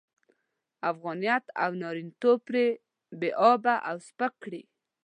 او افغانيت او نارينه توب پرې بې آبه او سپک کړي.